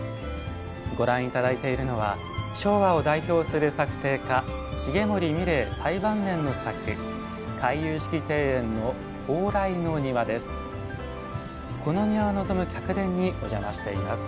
ご覧いただいているのは昭和を代表する作庭家重森三玲、最晩年の作回遊式庭園の蓬莱の庭です。